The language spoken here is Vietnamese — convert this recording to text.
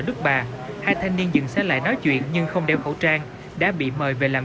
đức bà hai thanh niên dựng xe lại nói chuyện nhưng không đeo khẩu trang đã bị mời về làm